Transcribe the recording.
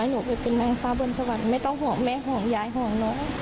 ขอให้หนูไปกินแมงฟ้าบนสวรรค์ไม่ต้องห่วงแม่ห่วงยายห่วงหนู